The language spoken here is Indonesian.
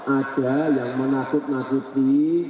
ada yang menakut nakuti